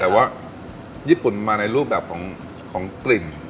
แต่ว่าญี่ปุ่นมาในรูปแบบของกลิ่น